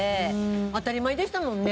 当たり前でしたもんね。